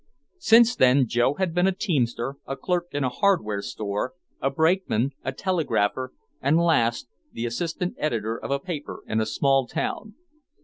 Since then Joe had been a teamster, a clerk in a hardware store, a brakeman, a telegrapher, and last, the assistant editor of a paper in a small town.